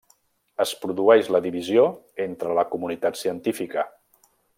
Es produeix la divisió entre la comunitat científica.